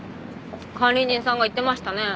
管理人さんが言ってましたねえ。